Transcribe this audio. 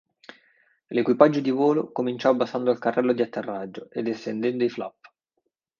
L'equipaggio di volo cominciò abbassando il carrello di atterraggio ed estendendo i flap.